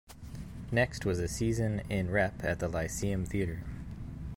Next was a season in rep at the Lyceum Theatre.